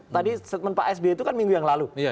tadi setmen pak s b itu kan minggu yang lalu